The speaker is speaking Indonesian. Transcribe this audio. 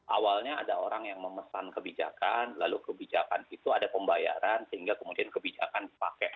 awalnya ada orang yang memesan kebijakan lalu kebijakan itu ada pembayaran sehingga kemudian kebijakan dipakai